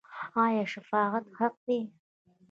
آیا شفاعت حق دی؟